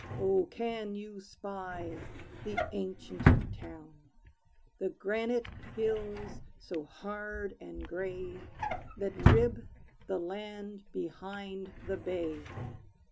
Oh, can you spy the ancient town, The granite hills so hard and gray, That rib the land behind the bay?